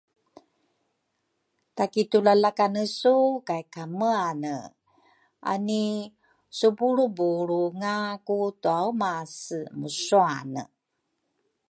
Takitulalakane su kaykameane ani subulrubulrunga ku Twaumase musuane